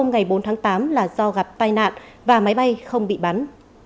ngày bốn tháng tám là do gặp tai nạn và máy bay không bị bắn